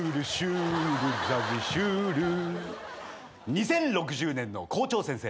２０６０年の校長先生。